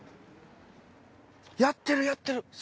やってるやってる。